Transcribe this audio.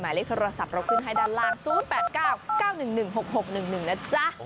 เลขโทรศัพท์เราขึ้นให้ด้านล่าง๐๘๙๙๑๑๖๖๑๑นะจ๊ะ